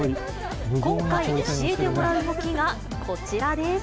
今回教えてもらう動きがこちらです。